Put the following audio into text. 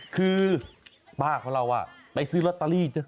คือป้าเขาเล่าว่าไปซื้อลอตเตอรี่